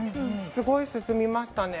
すごい進みましたね。